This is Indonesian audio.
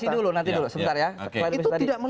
itu tidak melihat ada bukti ya